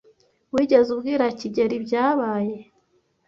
Wigeze ubwira kigeli ibyabaye?